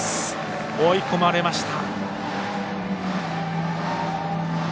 追い込まれました。